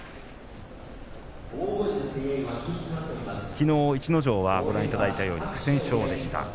きのう逸ノ城はご覧いただいたように不戦勝でした。